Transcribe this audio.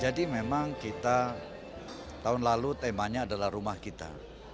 jadi memang kita tahun lalu temanya adalah rumah kita